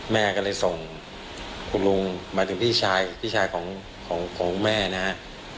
แม่ก็เลยส่งคุณลุงหมายถึงพี่ชายพี่ชายของแม่นะฮะ